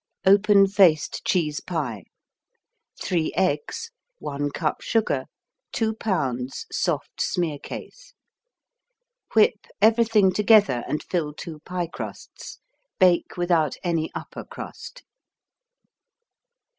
Open faced Cheese Pie 3 eggs 1 cup sugar 2 pounds soft smearcase Whip everything together and fill two pie crusts. Bake without any upper crust.